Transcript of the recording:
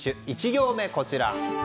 １行目、こちら。